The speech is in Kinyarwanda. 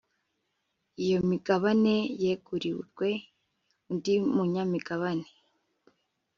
iyo migabane yegurirwe undi munyamigabane